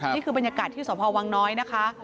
นี่คือบรรยากาศที่สพวังน้อยนะคะ